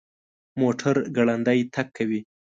موټر ګړندی تګ کوي